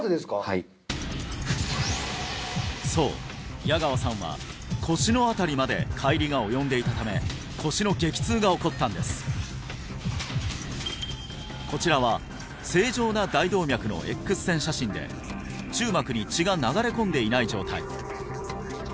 はいそう矢川さんは腰の辺りまで解離が及んでいたため腰の激痛が起こったんですこちらは正常な大動脈のＸ線写真で中膜に血が流れ込んでいない状態